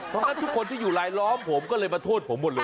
เพราะงั้นทุกคนที่อยู่รายล้อมผมก็เลยมาโทษผมหมดเลย